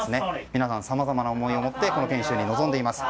皆さん、さまざまな思いを持って研修に臨んでいます。